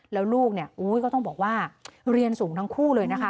แล้วลูกเนี่ยก็ต้องบอกว่าเรียนสูงทั้งคู่เลยนะคะ